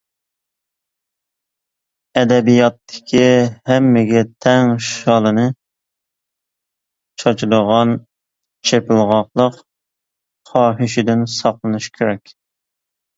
ئەدەبىياتتىكى ھەممىگە تەڭ شالىنى چاچىدىغان «چېپىلغاقلىق» خاھىشىدىن ساقلىنىش كېرەك.